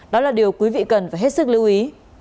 đó là điều quý vị cần phải hết sức lưu ý